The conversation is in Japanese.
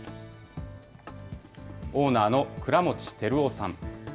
オーナーの倉持照男さん。